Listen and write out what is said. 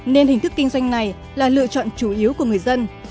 nên hình thức kinh doanh này là lựa chọn chủ yếu của người dân